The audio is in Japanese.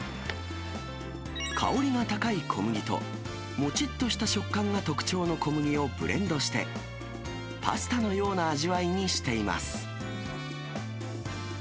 香りが高い小麦と、もちっとした食感が特徴の小麦をブレンドして、パスタのような味わいにしています。